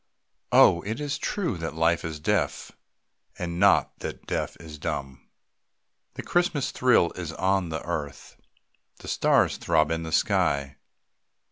Oh, it is true that life is deaf, And not that death is dumb. The Christmas thrill is on the earth, The stars throb in the sky.